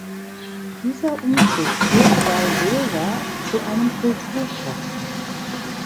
Dieser Umzug führte bei Silva zu einem Kulturschock.